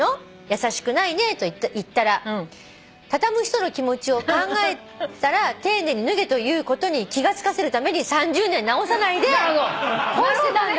優しくないねと言ったら畳む人の気持ちを考えたら丁寧に脱げということに気が付かせるために３０年直さないで干してたんだ」